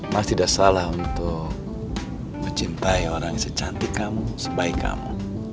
masih ada salah untuk mencintai orang yang secantik kamu sebaik kamu